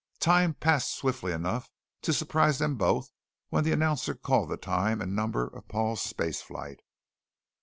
Time passed swiftly enough to surprise them both when the announcer called the time and number of Paul's spaceflight.